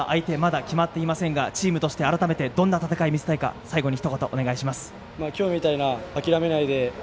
あした、対戦相手はまだ決まっていませんがチームとして改めてどんな戦いを見せたいか最後にひと言、お願いします。